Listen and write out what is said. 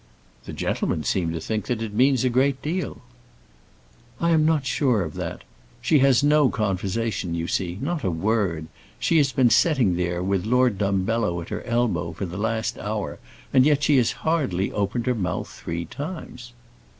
"The gentlemen seem to think that it means a good deal." "I am not sure of that. She has no conversation, you see; not a word. She has been sitting there with Lord Dumbello at her elbow for the last hour, and yet she has hardly opened her mouth three times."